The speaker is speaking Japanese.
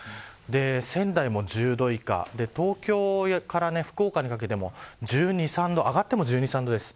仙台も１０度以下東京から福岡にかけても１２、１３度上がっても１２、１３度です。